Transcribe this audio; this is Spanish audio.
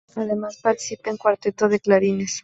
Además participa un cuarteto de clarines.